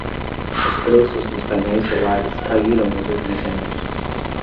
Os preços dos painéis solares caíram nos últimos anos.